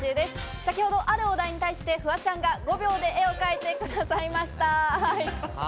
先ほどあるお題に対してフワちゃんが５秒で絵を描いてくださいました。